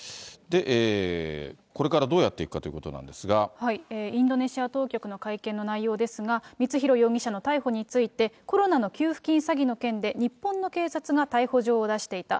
これからどうやっていくかというインドネシア当局の会見の内容ですが、光弘容疑者の逮捕について、コロナの給付金詐欺の件で、日本の警察が逮捕状を出していた。